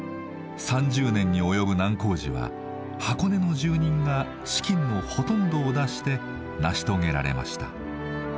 ３０年に及ぶ難工事は箱根の住人が資金のほとんどを出して成し遂げられました。